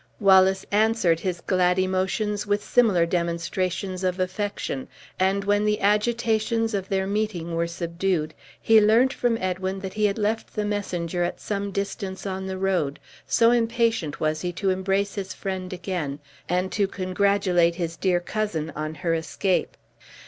Wallace answered his glad emotions with similar demonstrations of affection, and when the agitations of their meeting were subdued, he learned from Edwin that he had left the messenger at some distance on the road, so impatient was he to embrace his friend again, and to congratulate his dear cousin on her escape.